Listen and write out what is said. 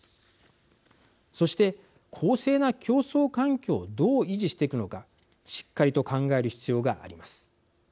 そして公正な競争環境をどう維持していくのかしっかりと考える必要があります。